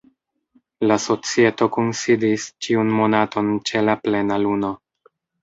La Societo kunsidis ĉiun monaton ĉe la plena luno.